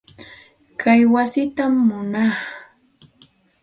Kay wasitam munaa.